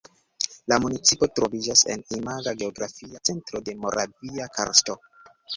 La municipo troviĝas en imaga geografia centro de Moravia karsto.